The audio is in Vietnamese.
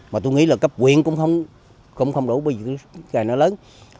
mà tôi nghĩ là cấp quyện cũng không đủ bởi vì cái này nó lớn